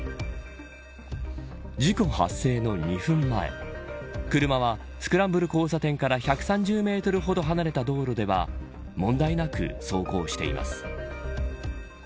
事故発生の２分前車はスクランブル交差点から１３０メートルほど離れた道路では問題なく走行しています。